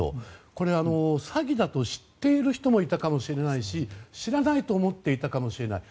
これは詐欺だと知っている人もいたかもしれないし知らないと思っていたかもしれない。